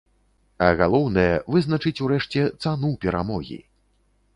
А галоўнае, вызначыць урэшце цану перамогі.